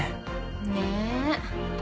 ねえ。